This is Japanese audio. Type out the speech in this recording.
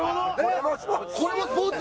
これもスポーツ？